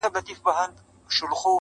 تا پټ کړی تر خرقې لاندي تزویر دی-